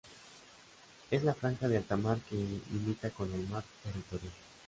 Es la franja de alta mar que limita con el mar territorial.